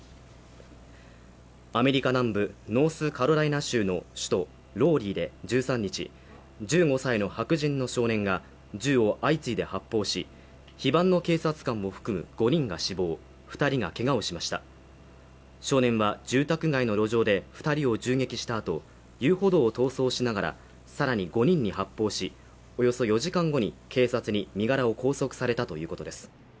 アメリカ南部ノースカロライナ州の州都ローリーで１３日１５歳の白人の少年が銃を相次いで発砲し非番の警察官を含む５人が死亡二人がけがをしました少年は住宅街の路上で二人を銃撃したあと遊歩道を逃走しながらさらに５人に発砲しおよそ４時間後に警察に身柄を拘束されたということです